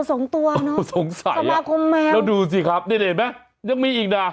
สองตัวเนอะสมาคมแมวสงสัยอะแล้วดูสิครับได้เห็นไหมยังมีอีกนะ